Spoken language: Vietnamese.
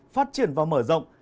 phát triển và mở rộng